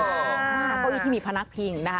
เก้าอี้ที่มีพนักพิง